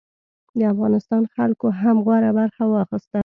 د افغانستان خلکو هم غوره برخه واخیسته.